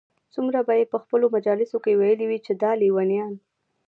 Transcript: څومره به ئې په خپلو مجالسو كي ويلي وي چې دا ليونيان